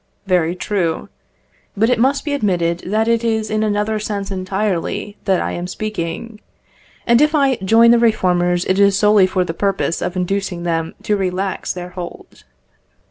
Very true. But it must be admitted that it is in another sense entirely that I am speaking; and if I join the reformers it is solely for the purpose of inducing them to relax their hold.